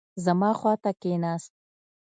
زما خوا ته کښېناست.